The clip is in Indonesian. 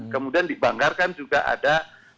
kemudian di banggar kan juga ada